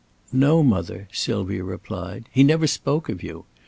"No, mother," Sylvia replied. "He never spoke of you.